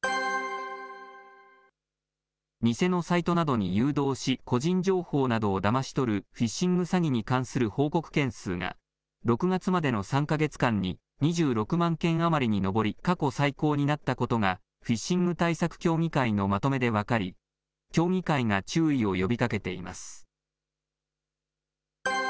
偽のサイトなどに誘導し、個人情報などをだまし取るフィッシング詐欺に関する報告件数が、６月までの３か月間に２６万件余りに上り、過去最高になったことが、フィッシング対策協議会のまとめで分かり、協議会が注意を呼びかけています。